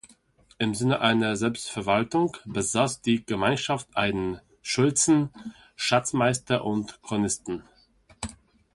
Im Sinne einer Selbstverwaltung besaß die Gemeinschaft einen Schulzen, Schatzmeister und Chronisten.